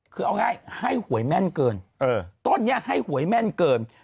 คือเอาไงให้หวยแม่นเกิน